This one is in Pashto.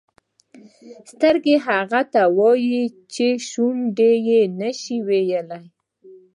سترګې هغه څه وایي چې شونډې نه شي ویلای.